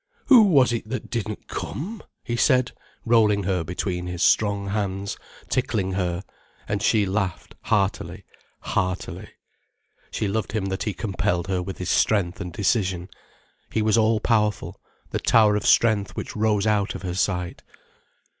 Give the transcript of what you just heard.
"Who was it that didn't come!" he said, rolling her between his strong hands, tickling her. And she laughed heartily, heartily. She loved him that he compelled her with his strength and decision. He was all powerful, the tower of strength which rose out of her sight.